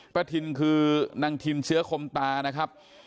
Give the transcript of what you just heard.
ทินคือนางทินเชื้อคมตานะครับ